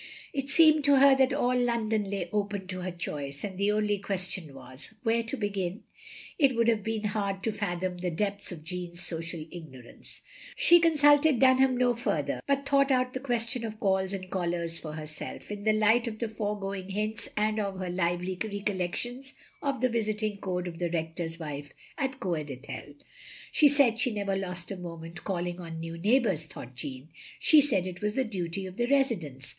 It seemed to her that all London lay open to her choice; and the only question was — ^where to begin? It would have been hard to fathom the depths of Jeanne's social ignorance. She constilted Dtmham no further, but thought out the question of calls and callers for herself, in the light of the foregoing hints, and of her lively recollections of the visiting code of the Rector's wife at Coed Ithel. " She said she never lost a moment calling on new neighbours," thought Jeanne, "she said it was the duty of the residents.